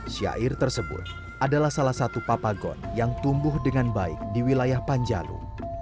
syair tersebut adalah salah satu papagon yang tumbuh dengan baik di wilayah panjalu